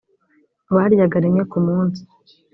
baryaga rimwe ku munsi